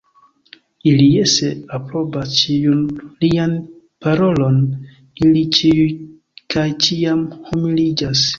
Ili jese aprobas ĉiun lian parolon, ili ĉiuj kaj ĉiam humiliĝas!